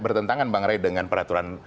bertentangan bang ray dengan peraturan